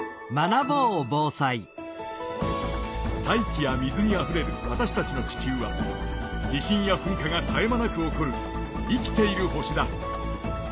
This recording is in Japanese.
大気や水にあふれるわたしたちの地球は地震や噴火がたえ間なく起こる生きている星だ。